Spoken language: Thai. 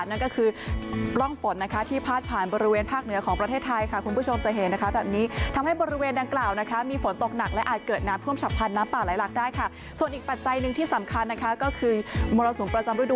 น่ะก็คือร่องฝนที่พลาดผ่านบริเวณภาคเนื้อของ